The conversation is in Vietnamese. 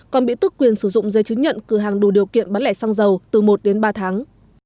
còn bị tức quyền sử dụng dây chứng nhận cửa hàng đủ điều kiện bán lẻ xăng dầu từ một đến ba tháng